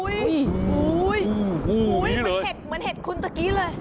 อุ้ยอุ้ยดูเหมือนเห็ดคุณตะกี้เลย